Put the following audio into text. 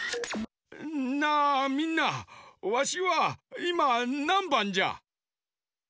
なあみんなわしはいまなんばんじゃ？